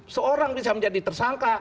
seorang bisa menjadi tersangka